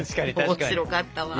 面白かったわ。